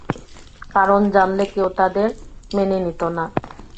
কারণ জানলে কেউ তাদের মেনে নিতো না।